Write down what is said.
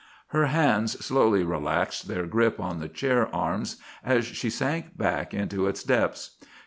_" Her hands slowly relaxed their grip on the chair arms as she sank back into its depths.